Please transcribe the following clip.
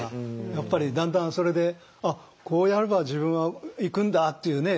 やっぱりだんだんそれであっこうやれば自分はいくんだっていうね